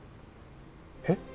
えっ？